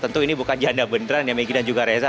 tentu ini bukan janda beneran ya maggie dan juga reza